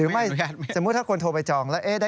ว่าเรามีความประสงค์ว่า